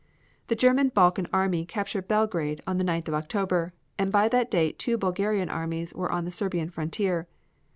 The German Balkan army captured Belgrade on the 9th of October, and by that date two Bulgarian armies were on the Serbian frontier.